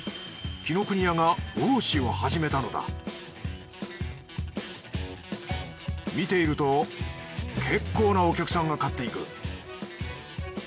紀ノ国屋が卸しを始めたのだ見ていると結構なお客さんが買っていく